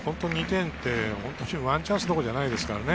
２点ってワンチャンスどころじゃないですからね。